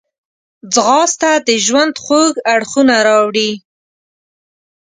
ځغاسته د ژوند خوږ اړخونه راوړي